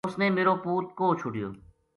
اس نے میر و پوت کوہ چھوڈیو